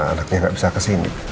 anaknya gak bisa kesini